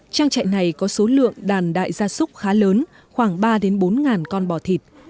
trang trại này có số lượng đàn đại gia súc khá lớn khoảng ba bốn con bò thịt